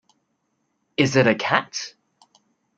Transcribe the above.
Is it a cat?